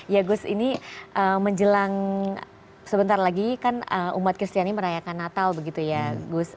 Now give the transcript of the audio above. ya gus ini menjelang sebentar lagi kan umat kristiani merayakan natal begitu ya gus